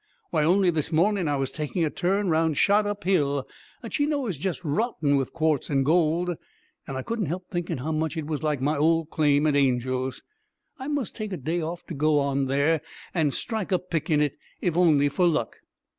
Why, only this mornin' I was taking a turn round Shot Up Hill, that ye know is just rotten with quartz and gold, and I couldn't help thinkin' how much it was like my ole claim at Angel's. I must take a day off to go on there and strike a pick in it, if only for luck."